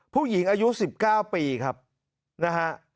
ผู้หญิงอายุ๑๙ปีครับนะฮะ